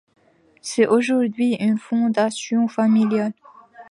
C'est aujourd'hui une fondation familiale.